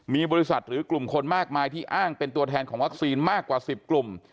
มีบริษัทหรือกลุ่มคนมากมายที่อ้างเป็นตัวแทนของวัคซีนมากกว่า๑๐กลุ่ม